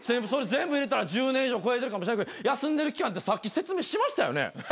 それ全部入れたら１０年以上超えてるかもしらんけど休んでる期間ってさっき説明しましたよね？